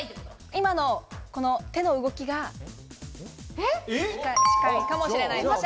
今の、この手の動きが近いかもしれないです。